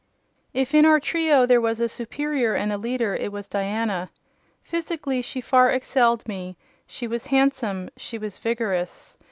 If in our trio there was a superior and a leader, it was Diana. Physically, she far excelled me: she was handsome; she was vigorous.